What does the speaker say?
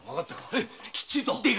ヘイきっちりと。